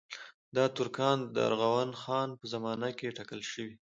دا ترکان د ارغون خان په زمانه کې ټاکل شوي.